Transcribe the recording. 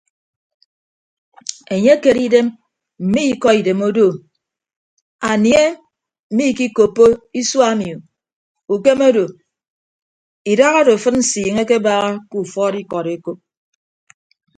Enye ekere idem mme ikọ idem odoom anie mmikikoppo isua ami ukem odo idahado afịd nsiiñe akebaaha ke ufọọd ikọd ekop.